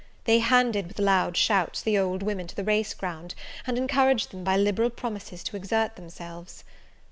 They handed, with loud shouts, the old women to the race ground, and encouraged them by liberal promises to exert themselves.